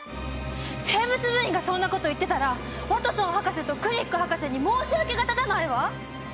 生物部員がそんなこと言ってたらワトソン博士とクリック博士に申し訳がたたないわ！